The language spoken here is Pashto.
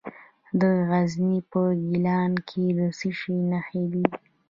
د غزني په ګیلان کې د څه شي نښې دي؟